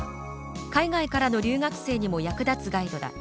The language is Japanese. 海外からの留学生にも役立つガイドだ